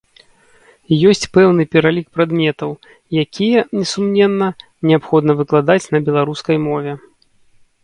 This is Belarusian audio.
Ёсць пэўны пералік прадметаў, якія, несумненна, неабходна выкладаць на беларускай мове.